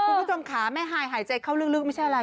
คุณผู้ชมค่ะแม่ฮายหายใจเข้าลึกไม่ใช่อะไร